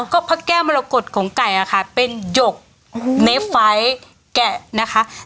ก็พระแก้วมรกฏของไก่ค่ะเป็นหยกเน็บไฟต์แกะนะคะ